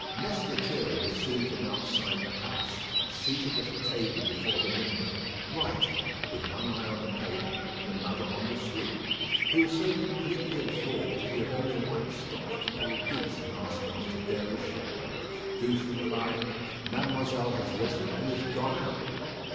Mess Lethierry was seen from outside the house, seated at a table before the window, writing, with one eye on the paper and another on the sloop. He was so completely absorbed that he had only once stopped to call Douce and ask after Déruchette. Douce replied, "Mademoiselle has risen and is gone out."